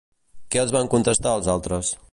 Què els van contestar els altres?